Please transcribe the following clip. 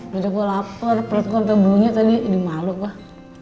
bila gue lapar perutku nanti bunyinya tadi di maluk deh